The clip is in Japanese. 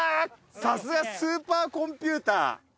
さすがスーパーコンピューター。